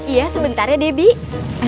iya sebentar ya debbie